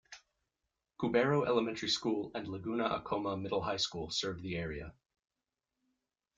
Cubero Elementary School and Laguna Acoma Middle-High School serve the area.